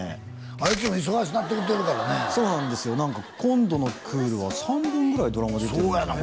あいつも忙しなってきてるからねそうなんですよ何か今度のクールは３本くらいドラマ出てるそうやねん